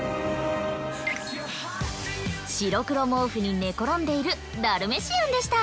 白黒毛布に寝転んでいるダルメシアンでした。